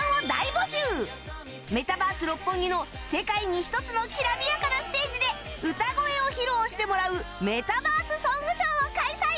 メタバース六本木の世界に一つのきらびやかなステージで歌声を披露してもらうメタバースソング ＳＨＯＷ を開催！